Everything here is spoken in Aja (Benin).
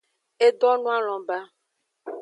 E donoalon ba.